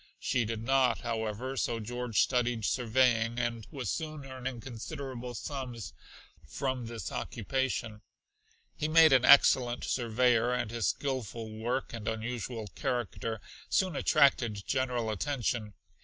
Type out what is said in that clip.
She did not, however, so George studied surveying; and was soon earning considerable sums from this occupation. He made an excellent surveyor, and his skilful work and unusual character soon attracted general attention.